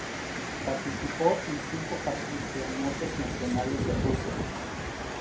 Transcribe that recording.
Participó en cinco Campeonatos Nacionales de Rusia.